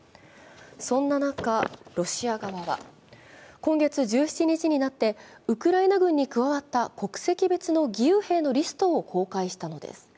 そんな中、ロシア側は今月１７日になってウクライナ軍に加わった国籍別の義勇兵のリストを公開したのです。